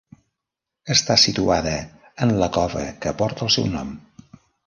Està situada en la cova que porta el seu nom.